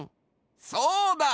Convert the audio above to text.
そうだ！